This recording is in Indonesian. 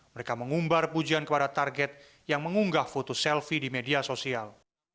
mereka mengumbar pujian kepada target yang mengunggah foto selfie di media sosial